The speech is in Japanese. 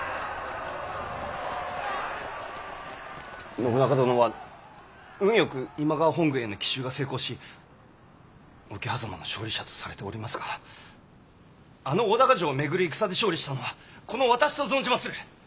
信長殿は運よく今川本軍への奇襲が成功し桶狭間の勝利者とされておりますがあの大高城を巡る戦で勝利したのはこの私と存じまする。